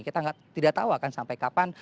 kita tidak tahu akan sampai kapan